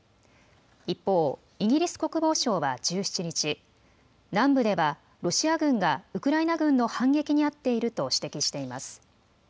一方、イギリス国防省は１７日、南部ではロシア軍がウクライナ軍の反撃にあっていると指摘しています。